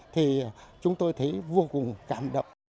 thì chúng tôi thấy vô cùng cảm động